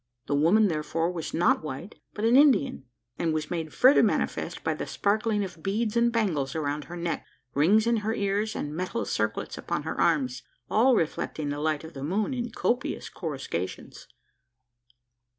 The woman, therefore, was not white, but an Indian: as was made further manifest by the sparkling of beads and bangles around her neck, rings in her ears, and metal circlets upon her arms all reflecting the light of the moon in copious coruscations.